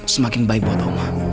semakin baik buat oma